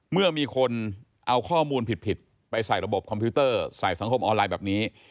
เมื่อมีคนเอาข้อมูลผิดไปใส่ระบบคอมพิวเตอร์ใส่สังคมออนไลน์แบบนี้